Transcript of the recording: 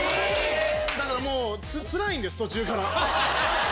だからもうツラいんです途中から。